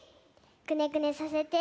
くねくねさせて。